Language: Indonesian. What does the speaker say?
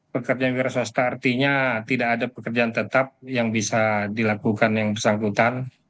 pekerjaan wira swasta artinya tidak ada pekerjaan tetap yang bisa dilakukan yang bersangkutan